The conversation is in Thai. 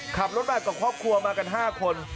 ขับรถมากับครอบครัวมากัน๕คน